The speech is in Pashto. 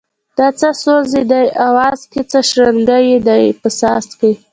دا څه سوز یې دی اواز کی څه شرنگی یې دی په ساز کی